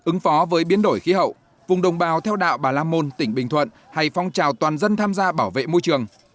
ứng phó với biến đổi khí hậu vùng đồng bào theo đạo bà lam môn tỉnh bình thuận hay phong trào toàn dân tham gia bảo vệ môi trường